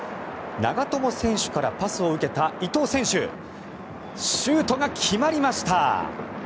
長友選手からパスを受けた伊東選手シュートが決まりました！